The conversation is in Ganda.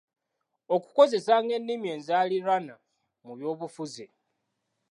Okukozesanga ennimi enzaaliranwa mu byobufuzi